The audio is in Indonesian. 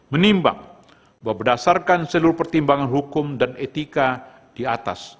menimbang bahwa berdasarkan seluruh pertimbangan hukum dan etika di atas